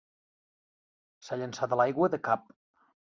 S'ha llançat a l'aigua de cap.